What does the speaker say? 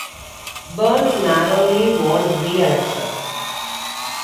Burns narrowly won re-election.